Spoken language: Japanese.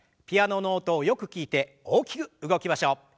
ピアノの音をよく聞いて大きく動きましょう。